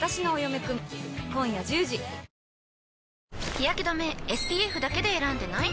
日やけ止めＳＰＦだけで選んでない？